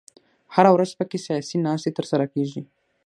هره ورځ په کې سیاسي ناستې تر سره کېږي.